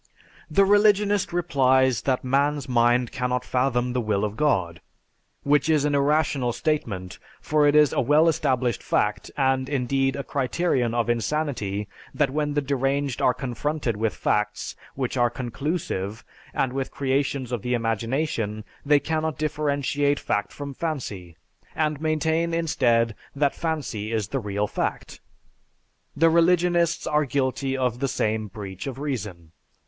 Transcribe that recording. The religionist replies that man's mind cannot fathom the will of God. Which is an irrational statement for it is a well established fact, and indeed, a criterion of insanity, that when the deranged are confronted with facts which are conclusive and with creations of the imagination, they cannot differentiate fact from fancy, and maintain, instead, that fancy is the real fact. The religionists are guilty of the same breach of reason.